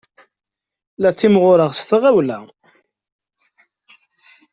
La ttimɣureɣ s tɣawla.